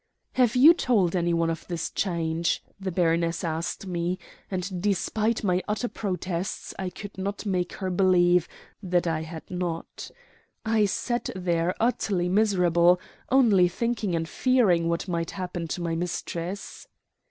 "'Have you told any one of this change?' the baroness asked me, and, despite my utter protests, I could not make her believe that I had not. I sat there utterly miserable, only thinking and fearing what might happen to my mistress.